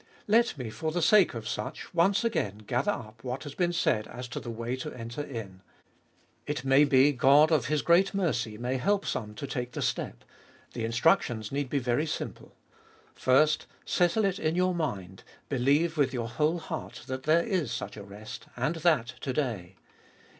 Let me for the sake of such once again gather up what has been said as to the way to enter in : it may be God, of His great mercy, may help some to take the step. The instruc tions need be very simple. First, settle it in your mind, believe with your whole heart that there is such a rest, and that To day.